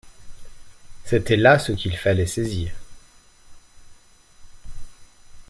C’était là ce qu’il fallait saisir.